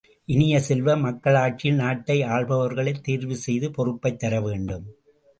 இனிய செல்வ, மக்களாட்சியில் நாட்டை ஆள்பவர்களைத் தேர்வு செய்து பொறுப்புத் தரவேண்டும்.